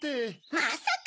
まさか！